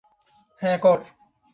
হ্যাঁ, কর।